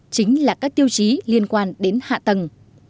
chính là các tiêu chí liên quan đến hạ tầng